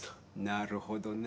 なるほどねぇ。